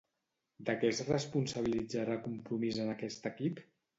De què es responsabilitzarà Compromís en aquest equip?